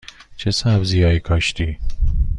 چه سبزی هایی کاشتی؟